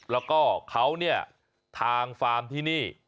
แล้วก็เขาเนี่ยทางฟาร์มที่นี่